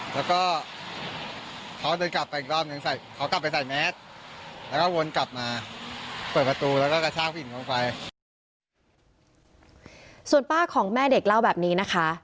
ส่วนป้าของแม่เด็กเล่าแบบนี้นะคะ